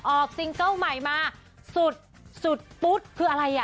ซิงเกิ้ลใหม่มาสุดปุ๊บคืออะไรอ่ะ